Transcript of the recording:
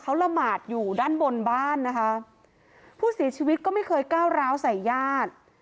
เขาละหมาดอยู่ด้านบนบ้านนะคะผู้เสียชีวิตก็ไม่เคยก้าวร้าวใส่ญาติ